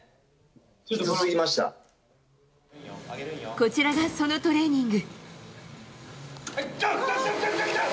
こちらが、そのトレーニング。